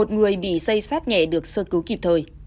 một mươi một người bị xây sát nhẹ được sơ cứu kịp thời